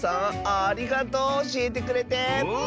ありがとうおしえてくれて！